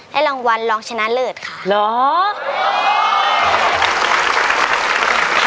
รางวัลรองชนะเลิศค่ะ